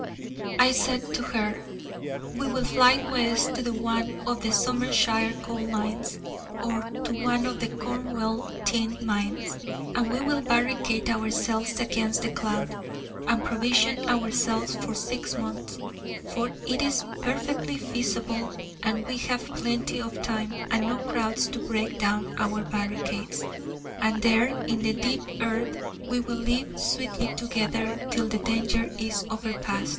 I said to her: 'We will fly west to one of the Somersetshire coal mines, or to one of the Cornwall tin mines, and we will barricade ourselves against the cloud, and provision ourselves for six months for it is perfectly feasible, and we have plenty of time, and no crowds to break down our barricades and there in the deep earth we will live sweetly together, till the danger is overpast.'